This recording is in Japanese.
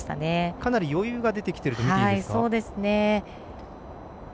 かなり余裕が出てきているとみていいですね。